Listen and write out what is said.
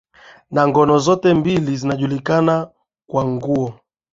na ngono zote mbili zinajulikana kwa nguo